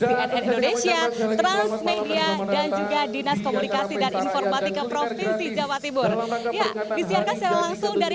indonesia transmedia dan juga dinas komunikasi dan informatika provinsi jawa timur langsung dari